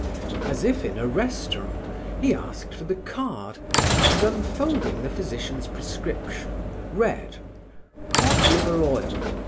As if in a restaurant, he asked for the card, and unfolding the physician's prescription, read: Cod Liver Oil